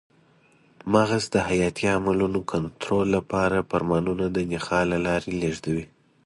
مغز د حیاتي عملونو کنټرول لپاره فرمانونه د نخاع له لارې لېږدوي.